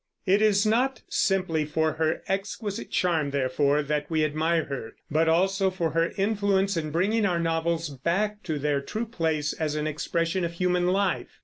It is not simply for her exquisite charm, therefore, that we admire her, but also for her influence in bringing our novels back to their true place as an expression of human life.